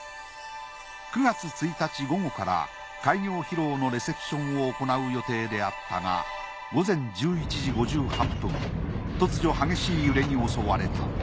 ９月１日午後から開業披露のレセプションを行う予定であったが午前１１時５８分突如激しい揺れに襲われた。